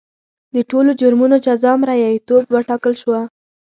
د ټولو جرمونو جزا مریتوب وټاکل شوه.